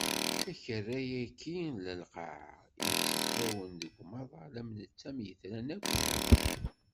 Akerra-agi n lqaɛa i yettiflawen deg umaḍal am netta am yitran akk niḍen.